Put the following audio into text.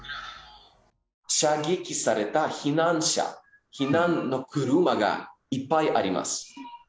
射撃された避難者、避難の車がいっぱいあります。